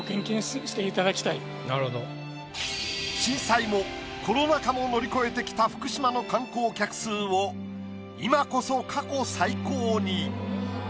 震災もコロナ禍も乗り越えてきた福島の観光客数を今こそ過去最高に。